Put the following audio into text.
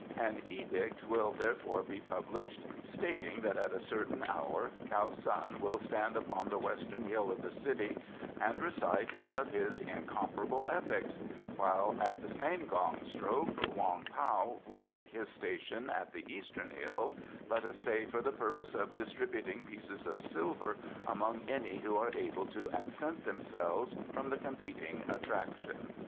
An edict will therefore be published, stating that at a certain hour Kiau Sun will stand upon the Western Hill of the city and recite one of his incomparable epics, while at the same gong stroke Wong Pao will take his station on the Eastern Hill, let us say for the purpose of distributing pieces of silver among any who are able to absent themselves from the competing attraction.